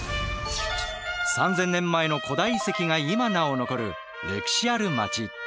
３，０００年前の古代遺跡が今なお残る歴史ある街。